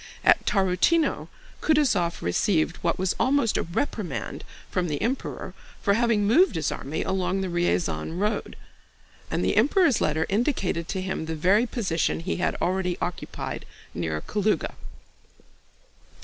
At Tarútino Kutúzov received what was almost a reprimand from the Emperor for having moved his army along the Ryazán road, and the Emperor's letter indicated to him the very position he had already occupied near Kalúga.